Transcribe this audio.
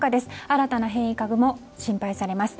新たな変異株も心配されます。